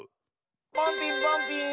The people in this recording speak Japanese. ポンピーンポンピーン！